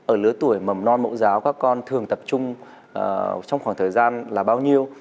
ở lứa tuổi mầm non mẫu giáo các con thường tập trung trong khoảng thời gian là bao nhiêu